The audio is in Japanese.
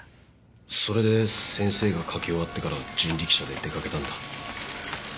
それで先生が書き終わってから人力車で出かけたんだ。